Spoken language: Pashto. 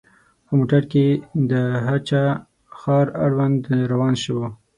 په موټر کې د هه چه ښار اړوند روان شوو.